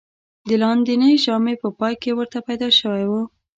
د لاندېنۍ ژامې په پای کې ورته پیدا شوی و.